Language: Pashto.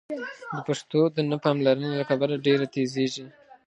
د پښتو د نه پاملرنې له کبله ډېره تېرېږي.